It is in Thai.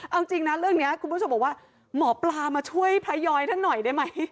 เอาจริงนะเรื่องนี้คุณผู้ชมบอกว่าหมอปลามาช่วยพระย้อยท่านหน่อยได้ไหม